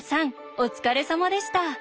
お疲れさまでした。